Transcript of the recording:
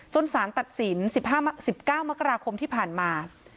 สารตัดสิน๑๙มกราคมที่ผ่านมา